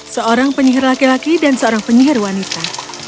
seorang penyihir laki laki dan seorang penyihir wanita